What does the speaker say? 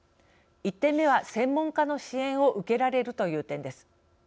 １点目は専門家の支援を受けられるという点です。